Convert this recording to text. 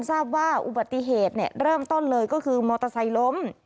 ทราบว่าอุบัติเหตุเริ่มต้นเลยก็คือมอเตอร์ไซค์ล้ม